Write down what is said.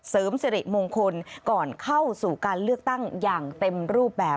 เสริมสิริมงคลก่อนเข้าสู่การเลือกตั้งอย่างเต็มรูปแบบ